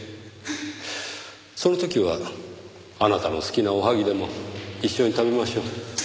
その時はあなたの好きなおはぎでも一緒に食べましょう。